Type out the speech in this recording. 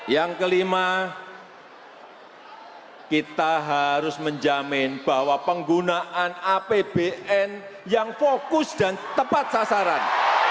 yang kelima kita harus menjamin bahwa penggunaan apbn yang fokus dan tepat sasaran